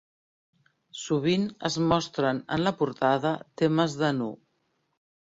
Sovint es mostren en la portada temes de nu.